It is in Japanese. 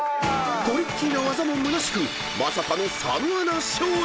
［トリッキーな技もむなしくまさかの佐野アナ勝利！］